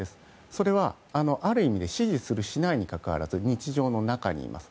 それは、ある意味で支持するしないにかかわらず日常の中にいます。